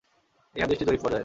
এ হাদীসটি যঈফ পর্যায়ের।